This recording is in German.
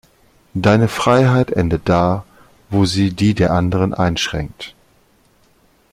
Deine Freiheit endet da, wo sie die der anderen einschränkt.